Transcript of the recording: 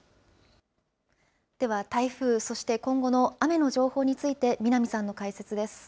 では台風、そして今後の雨の情報について南さんの解説です。